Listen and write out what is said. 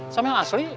sama yang asli